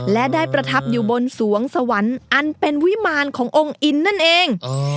และได้ประทับอยู่บนสวงสวรรค์อันเป็นวิมารขององค์อินนั่นเอง